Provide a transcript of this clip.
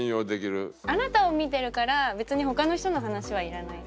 あなたを見てるから別に他の人の話はいらない。